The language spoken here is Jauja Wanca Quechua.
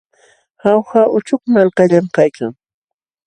Jauja uchuk malkallam kaykan.